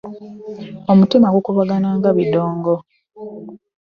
Omutima gukubagana nga bidongo.